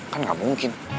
kan gak mungkin